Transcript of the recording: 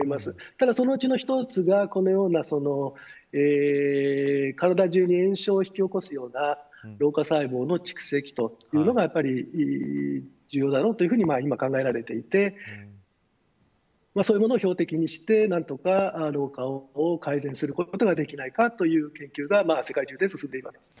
ただ、そのうちの原因の一つがこのような体中に炎症を引き起こすような老化細胞の蓄積というのがやっぱり重要だろうと今、考えられていてそういうものを標的にして何とか老化を改善することができないかという研究が世界中で進んでいます。